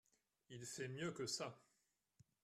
Il fait mieux que ça.